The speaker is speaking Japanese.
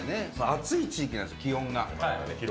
暑い地域なんです、気温が。